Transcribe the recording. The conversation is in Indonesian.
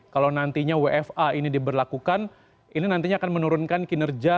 kalau nantinya wfa ini diberlakukan ini nantinya akan menurunkan kinerja